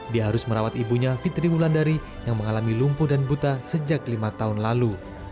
dia harus merawat ibunya fitri wulandari yang mengalami lumpuh dan buta sejak lima tahun lalu